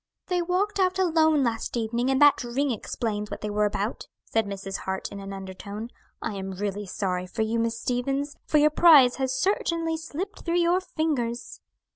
"They walked out alone last evening, and that ring explains what they were about," said Mrs. Hart, in an undertone. "I am really sorry for you, Miss Stevens; for your prize has certainly slipped through your fingers."